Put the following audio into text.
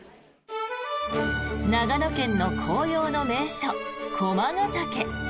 長野県の紅葉の名所駒ヶ岳。